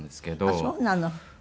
ああそうなの。